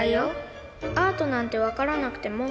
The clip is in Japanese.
アートなんて分からなくても。